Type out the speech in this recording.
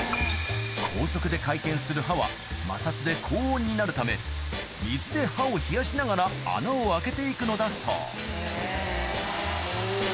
高速で回転する刃は摩擦で高温になるため水で刃を冷やしながら穴を開けて行くのだそう